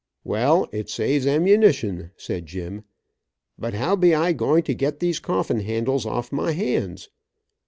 "Well, it saves ammunition," said Jim. "But how be I going to get these coffin handles off my hands.